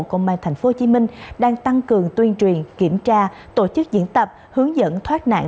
công an tp hcm đang tăng cường tuyên truyền kiểm tra tổ chức diễn tập hướng dẫn thoát nạn